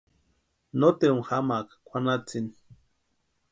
Noteruni jamaaka kwʼanhatsini.